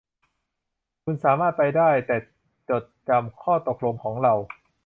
คุณสามารถไปได้ แต่จดจำข้อตกลงของเรา